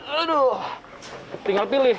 aduh tinggal pilih